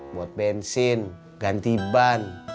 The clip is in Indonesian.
buat bensin ganti ban